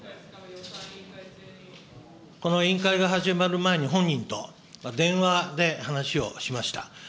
この委員会が始まる前に本人と電話で話をしました。